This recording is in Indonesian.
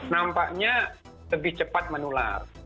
nampaknya lebih cepat menular